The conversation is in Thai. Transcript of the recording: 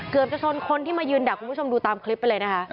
จะชนคนที่มายืนดักคุณผู้ชมดูตามคลิปไปเลยนะคะ